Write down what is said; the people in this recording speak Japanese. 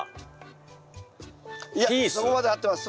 いやそこまで合ってます。